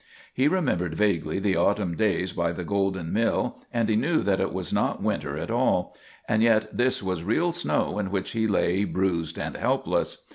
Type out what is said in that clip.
He remembered vaguely the autumn days by the golden mill, and he knew that it was not winter at all; and yet this was real snow in which he lay bruised and helpless.